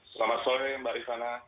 selamat sore mbak irifana